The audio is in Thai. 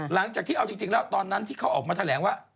หลังจากที่เอาจริงแล้วตอนนั้นที่เขาออกมาแถลงว่า